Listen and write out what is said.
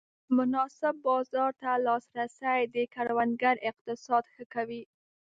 مناسب بازار ته لاسرسی د کروندګر اقتصاد ښه کوي.